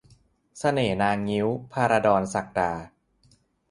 เสน่ห์นางงิ้ว - ภราดร ศักดา